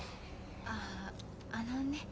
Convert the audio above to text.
あああのね。